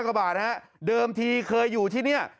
กว่าบาทฮะเดิมทีเคยอยู่ที่นี่